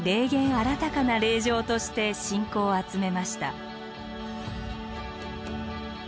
あらたかな霊場として信仰を集めました。